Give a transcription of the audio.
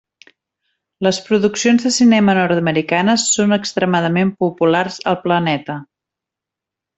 Les produccions de cinema nord-americanes són extremadament populars al planeta.